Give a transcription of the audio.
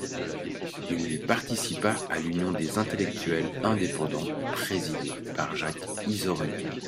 Il participa à l'Union des intellectuels indépendants présidé par Jacques Isorni.